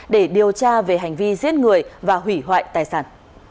để điều tra về hành vi giết người và hủy hoại tài sản